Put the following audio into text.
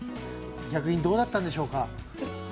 逆にどうだったんでしょうか？